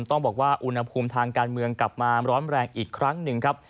ต้องบอกว่าอุณหภูมิทางการเมืองกลับมาร้อนแรงอีกครั้งหนึ่งครับ